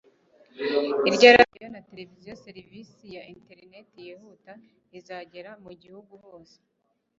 irya radio na televiziyo; serivisi ya internet yihuta izagera mu gihugu hose